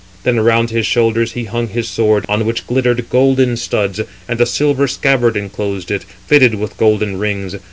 Then around his shoulders he hung his sword, on which glittered golden studs; and a silver scabbard enclosed it, fitted with golden rings.